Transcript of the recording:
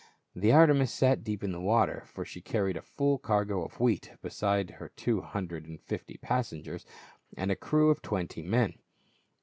The Artemis sat deep in the water, for she carried a full cargo of wheat besides her two hundred and fifty pas sengers and a crew of twenty men.